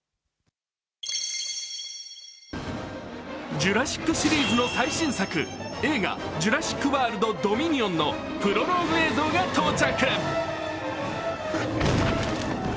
「ジュラシック」シリーズの最新作映画「ジュラシック・ワールド／ドミニオン」のプロローグ映像が到着。